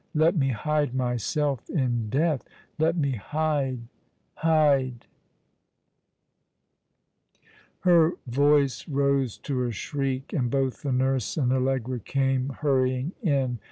Let me hide myself in death! let me hide— hide !" Her voice rose to a shriek ; and both the nurse and Allegra came hurrying in.